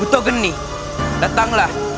uto geni datanglah